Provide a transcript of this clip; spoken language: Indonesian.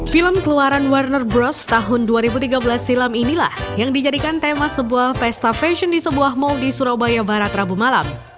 film keluaran warner bross tahun dua ribu tiga belas silam inilah yang dijadikan tema sebuah pesta fashion di sebuah mal di surabaya barat rabu malam